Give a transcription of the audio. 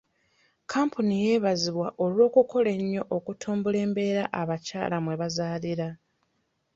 Kampuni yeebazibwa olw'okukola ennyo okutumbula embeera abakyala mwe bazaalira.